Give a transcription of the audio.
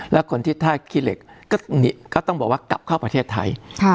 แล้วคนที่ท่าขี้เหล็กก็ต้องบอกว่ากลับเข้าประเทศไทย